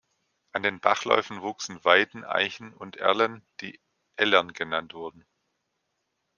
An den Bachläufen wuchsen Weiden, Eichen und Erlen, die "Ellern" genannt wurden.